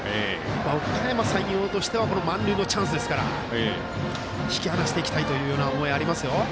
おかやま山陽としては満塁のチャンスですから引き離していきたいという思いありますよ。